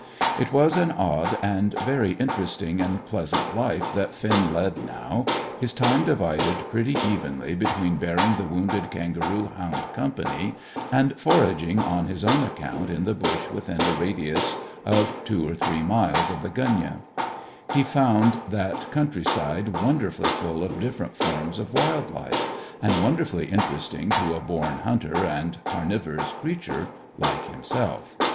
It was an odd and very interesting and pleasant life that Finn led now, his time divided pretty evenly between bearing the wounded kangaroo hound company and foraging on his own account in the bush within a radius of two or three miles of the gunyah. He found that countryside wonderfully full of different forms of wild life, and wonderfully interesting to a born hunter and carnivorous creature like himself.